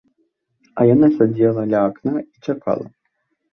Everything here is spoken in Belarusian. А яна сядзела ля акна і чакала.